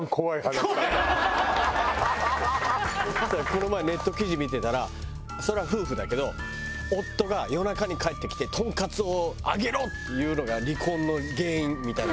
この前ネット記事見てたらそれは夫婦だけど夫が夜中に帰ってきて「トンカツを揚げろ！」って言うのが離婚の原因みたいな。